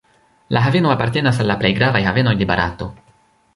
La haveno apartenas al la plej gravaj havenoj de Barato.